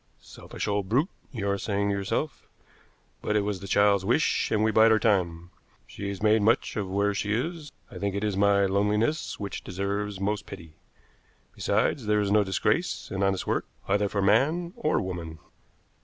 Selfish old brute, you are saying to yourself. But it was the child's wish, and we bide our time. She is made much of where she is. I think it is my loneliness which deserves most pity. Besides, there is no disgrace in honest work, either for man or woman."